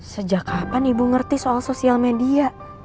sejak kapan ibu ngerti soal sosial media